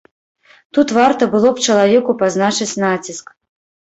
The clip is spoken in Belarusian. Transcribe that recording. Тут варта было б чалавеку пазначыць націск.